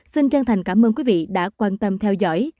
xin chân thành cảm ơn quý vị đã quan tâm theo dõi